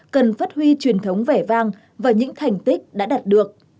cần phát huy truyền thống vẻ vang và những thành tích đã đạt được